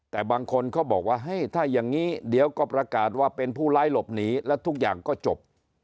แต่บางคนเขาบอกว่าเฮ้ยถ้าอย่างนี้เดี๋ยวก็ประกาศว่าเป็นผู้ร้ายหลบหนีแล้วทุกอย่างก็จบ